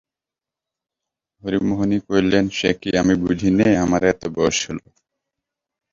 হরিমোহিনী কহিলেন, সে কি আমি বুঝি নে, আমার এত বয়স হল!